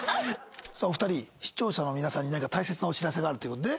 さあお二人視聴者の皆さんに何か大切なお知らせがあるという事で。